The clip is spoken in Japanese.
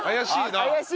怪しい。